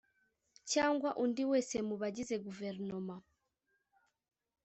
cyangwa undi wese mu bagize guverinoma